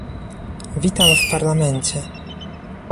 Witam w Parlamencie